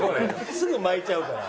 すぐ巻いちゃうから。